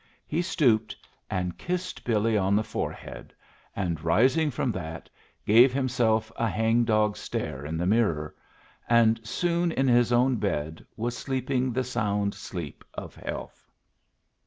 He stooped and kissed Billy on the forehead, and, rising from that, gave himself a hangdog stare in the mirror, and soon in his own bed was sleeping the sound sleep of health.